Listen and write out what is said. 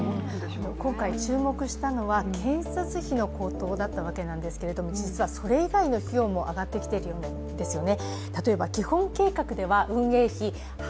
今回、注目したのは建設費の高騰だったわけなんですけれども実はそれ以外の費用も上がってきているようなんですよね。